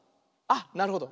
あっなるほど。